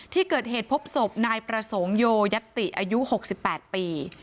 ที่เกิดเหตุพบศพนายประสงค์โยยัตติอายุ๖๘ปี